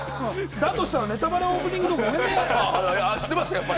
だとしたらネタバレのオープニングトーク。